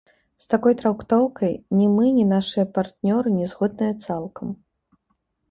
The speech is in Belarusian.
З такой трактоўкай ні мы, ні нашыя партнёры, не згодныя цалкам.